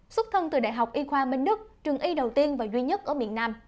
xuất thân từ đại học y khoa minh đức trường y đầu tiên và duy nhất ở miền nam